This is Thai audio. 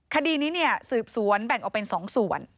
คดีนี้สืบสวนแบ่งออกเป็น๒ส่วน